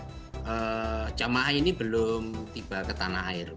jadi camah ini belum tiba ke tanah air